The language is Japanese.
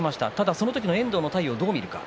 その時の遠藤の体をどう見るか。